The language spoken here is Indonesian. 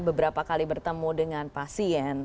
beberapa kali bertemu dengan pasien